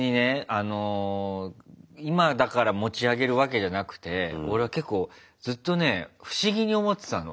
あの今だから持ち上げるわけじゃなくて俺は結構ずっとね不思議に思ってたの。